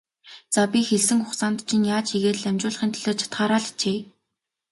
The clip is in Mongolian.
За, би хэлсэн хугацаанд чинь яаж ийгээд л амжуулахын төлөө чадахаараа л хичээе.